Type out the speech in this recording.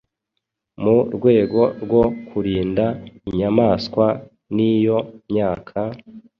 Mu rwego rwo kurinda inyamaswa n’iyo myaka,